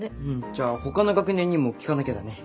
じゃあほかの学年にも聞かなきゃだね。